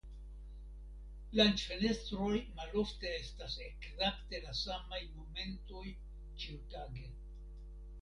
Lanĉfenestroj malofte estas ekzakte la samaj momentoj ĉiutage.